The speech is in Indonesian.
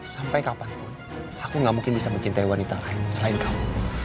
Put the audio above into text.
sampai kapanpun aku gak mungkin bisa mencintai wanita lain selain kamu